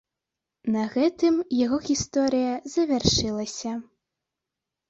На гэтым яго гісторыя завяршылася.